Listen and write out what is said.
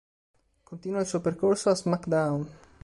Continua il suo percorso a "SmackDown!